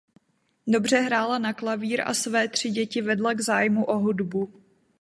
Dobře hrála na klavír a své tři děti vedla k zájmu o hudbu.